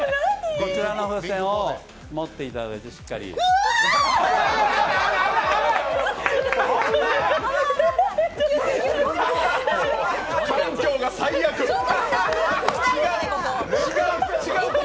こちらの風船を持っていただいてうわ！